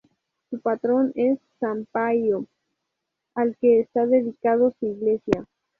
Su patrón es San Paio, al que está dedicado su iglesia.